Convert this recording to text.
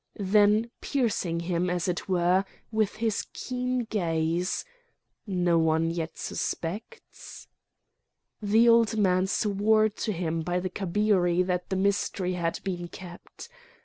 Then piercing him, as it were, with his keen gaze: "No one yet suspects?" The old man swore to him by the Kabiri that the mystery had been kept.